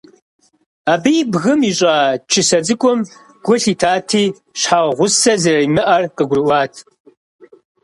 Абы и бгым ищӀа чысэ цӀыкӀум гу лъитати, щхьэгъусэ зэримыӀэри къыгурыӀуат.